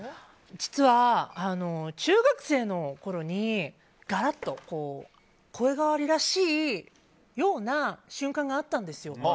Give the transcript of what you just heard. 実は、中学生のころにがらっと声変わりらしいような瞬間があったんですよ。